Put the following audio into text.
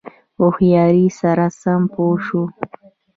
هوښیاری سره سم پوه شو.